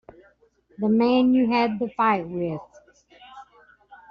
The man you had the fight with.